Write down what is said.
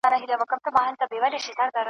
پر سړي باندي باران سو د لوټونو .